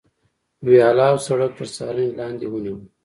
ویاله او سړک تر څارنې لاندې ونیول.